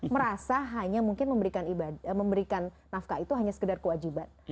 merasa hanya mungkin memberikan nafkah itu hanya sekedar kewajiban